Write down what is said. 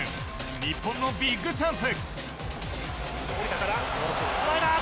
日本のビッグチャンス。